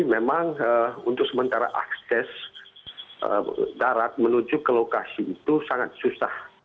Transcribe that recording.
memang untuk sementara akses darat menuju ke lokasi itu sangat susah